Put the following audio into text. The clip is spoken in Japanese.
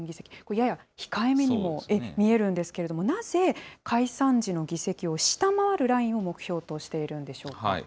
やや控えめにも見えるんですけども、なぜ解散時の議席を下回るラインを目標としているんでしょうか。